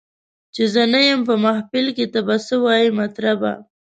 چي زه نه یم په محفل کي ته به څه وایې مطربه